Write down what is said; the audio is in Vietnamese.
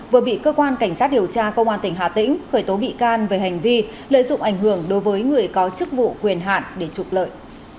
vừa bị cơ quan cảnh sát điều tra công an tỉnh hà tĩnh khởi tố bị can về hành vi lợi dụng ảnh hưởng đối với người có chức vụ quyền hạn để trục lợi